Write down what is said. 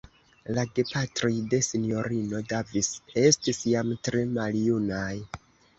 La gepatroj de Sinjorino Davis estis jam tre maljunaj.